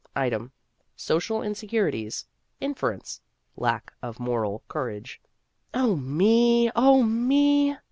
Item : Social insincerities. Inference : Lack of moral courage. Oh, me ! oh, me